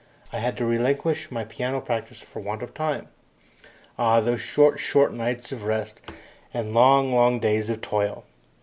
I had to relinquish my piano practice for want of time. Ah, those short, short nights of rest and long, long days of toil!